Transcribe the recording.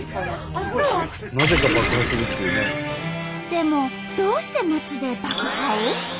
でもどうして街で爆破を？